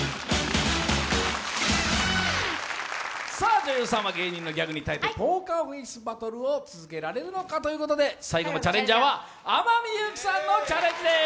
女優さんは芸人のギャグに耐えて、ポーカーフェースバトルを続けられるのかということで最後のチャレンジは天海祐希さんのチャレンジです。